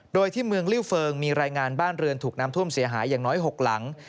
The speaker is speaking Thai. โดยที่เมืองลิวเฟิงมีรายงานบ้านเรือนถูกน้ำท่วมเสียหายอย่างน้อย๖หลัง